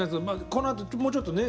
このあともうちょっとね